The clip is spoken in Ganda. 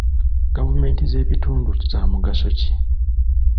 Gavumenti z'ebitundu za mugaso ki?